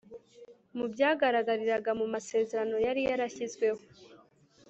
Mu byagaragariraga mu masezerano yari yarashyizweho